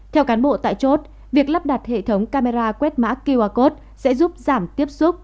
theo cán bộ tại chốt việc lắp đặt hệ thống camera quét mã qr code sẽ giúp giảm tiếp xúc